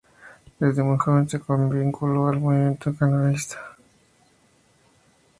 Desde muy joven se vinculó al movimiento catalanista.